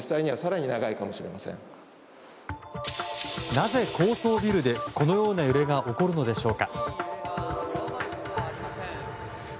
なぜ、高層ビルでこのような揺れが起こるのでしょうか。